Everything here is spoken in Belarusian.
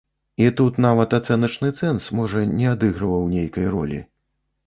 І тут нават ацэначны цэнз, можа, не адыгрываў нейкай ролі.